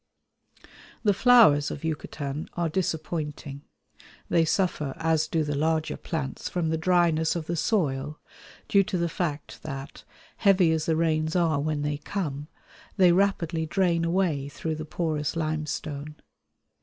The flowers of Yucatan are disappointing. They suffer, as do the larger plants, from the dryness of the soil, due to the fact that, heavy as the rains are when they come, they rapidly drain away through the porous limestone.